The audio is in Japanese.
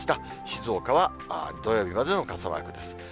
静岡は土曜日までの傘マークです。